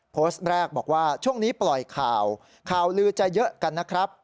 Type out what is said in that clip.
โพสต์แรกบอกว่าช่วงนี้ปล่อยข่าวข่าวลือจะเยอะกันนะครับ